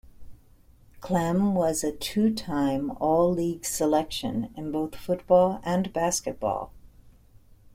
Klemm was a two-time All-League selection in both football and basketball.